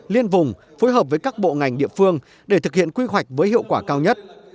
liên vùng phối hợp với các bộ ngành địa phương để thực hiện quy hoạch với hiệu quả cao nhất